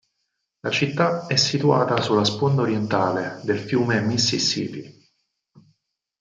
La città è situata sulla sponda orientale del fiume Mississippi.